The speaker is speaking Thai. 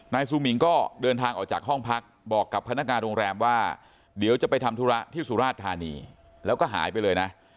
ซูมิงก็เดินทางออกจากห้องพักบอกกับพนักงานโรงแรมว่าเดี๋ยวจะไปทำธุระที่สุราชธานีแล้วก็หายไปเลยนะ